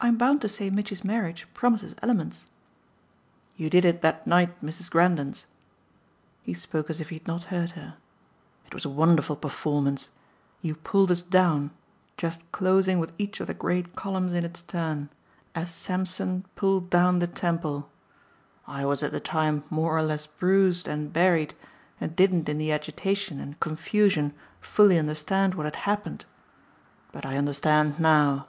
"I'm bound to say Mitchy's marriage promises elements." "You did it that night at Mrs. Grendon's." He spoke as if he had not heard her. "It was a wonderful performance. You pulled us down just closing with each of the great columns in its turn as Samson pulled down the temple. I was at the time more or less bruised and buried and didn't in the agitation and confusion fully understand what had happened. But I understand now."